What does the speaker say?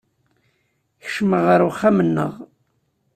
Kecmeɣ ɣer uxxam-nneɣ.